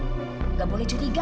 nggak boleh curiga